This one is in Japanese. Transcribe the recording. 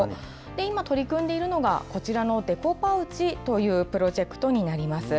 今、取り組んでいるのが、こちらのデコパウチというプロジェクトになります。